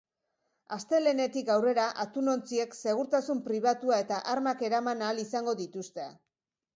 Astelehenetik aurrera atunontziek segurtasun pribatua eta armak eraman ahal izango dituzte.